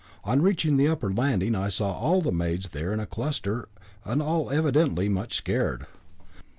On reaching the upper landing I saw all the maids there in a cluster, and all evidently much scared.